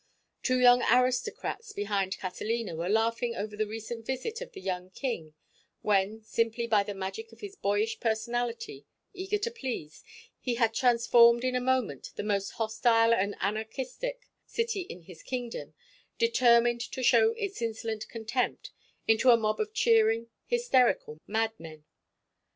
Two young aristocrats behind Catalina were laughing over the recent visit of the young king, when, simply by the magic of his boyish personality, eager to please, he had transformed in a moment the most hostile and anarchistic city in his kingdom, determined to show its insolent contempt, into a mob of cheering, hysterical madmen.